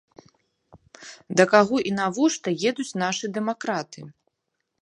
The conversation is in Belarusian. Да каго і навошта едуць нашы дэмакраты?